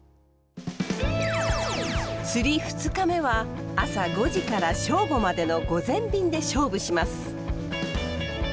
釣り２日目は朝５時から正午までの午前便で勝負します！